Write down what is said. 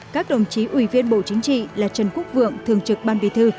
các đồng chí ủy viên bộ chính trị là trần quốc vượng thường trực ban bì thư